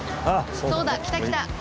そうだ。来た来た。